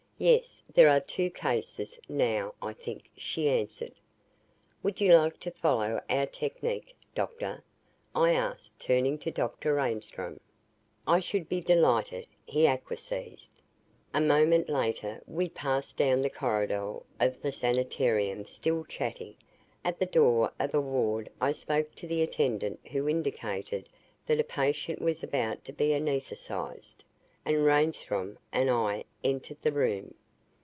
"Yes, there are two cases, now, I think," she answered. "Would you like to follow our technique, Doctor?" I asked, turning to Dr. Reinstorm. "I should be delighted," he acquiesced. A moment later we passed down the corridor of the Sanitarium, still chatting. At the door of a ward I spoke to the attendant who indicated that a patient was about to be anesthetized, and Reinstrom and I entered the room.